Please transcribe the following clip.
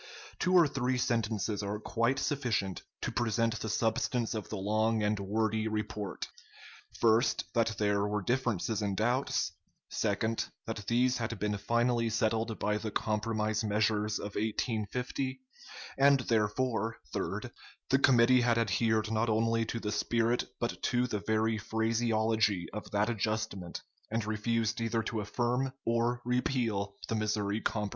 Two or three sentences are quite sufficient to present the substance of the long and wordy report. First, that there were differences and doubts; second, that these had been finally settled by the compromise measures of 1850; and, therefore, third, the committee had adhered not only to the spirit but to the very phraseology of that adjustment, and refused either to affirm or repeal the Missouri Compromise.